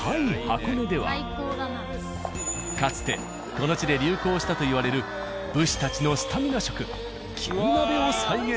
箱根ではかつてこの地で流行したといわれる武士たちのスタミナ食牛鍋を再現。